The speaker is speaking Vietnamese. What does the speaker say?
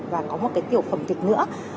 và có một cái kiểu phẩm thực nữa